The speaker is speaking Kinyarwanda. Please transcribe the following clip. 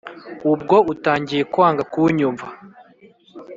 ubwo utangiye kwanga kunyumva